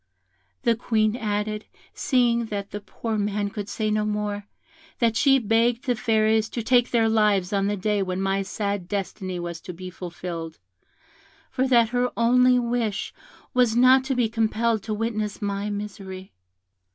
The Queen added, seeing that the poor man could say no more, that she begged the Fairies to take their lives on the day when my sad destiny was to be fulfilled, for that her only wish was not to be compelled to witness my misery.